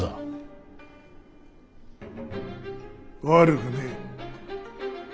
悪くねえ。